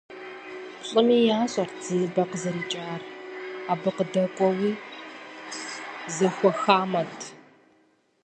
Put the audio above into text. Плӏыми ящӏэрт зы ныбэ къызэрикӏар, абы къыдэкӏуэуи зэхуэхамэт.